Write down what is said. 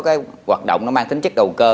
cái hoạt động nó mang tính chất đầu cơ